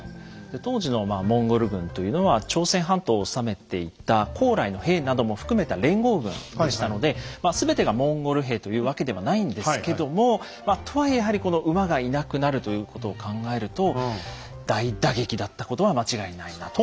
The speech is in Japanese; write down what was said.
当時のモンゴル軍というのは朝鮮半島を治めていた高麗の兵なども含めた連合軍でしたので全てがモンゴル兵というわけではないんですけどもとはいえやはり馬がいなくなるということを考えると大打撃だったことは間違いないなと。